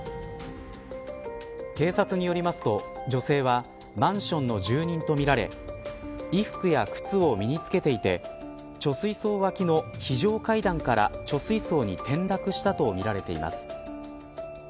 警察によりますと女性はマンションの住人とみられ衣服や靴を身に着けていて貯水槽脇の非常階段から貯水槽に転落したとみられています。